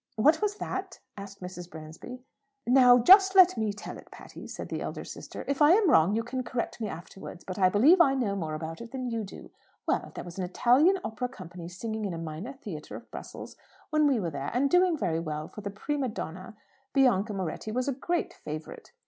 "What was that?" asked Mrs. Bransby. "Now, just let me tell it, Patty," said the elder sister. "If I am wrong you can correct me afterwards. But I believe I know more about it than you do. Well, there was an Italian Opera Company singing in a minor theatre of Brussels when we were there, and doing very well; for the prima donna, Bianca Moretti, was a great favourite.